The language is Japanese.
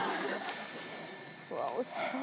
うわおいしそう。